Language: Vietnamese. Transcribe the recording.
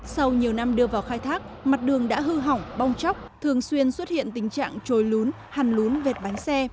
sau nhiều năm đưa vào khai thác mặt đường đã hư hỏng bong chóc thường xuyên xuất hiện tình trạng trồi lún hằn lún vệt bánh xe